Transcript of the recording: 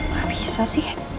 gak bisa sih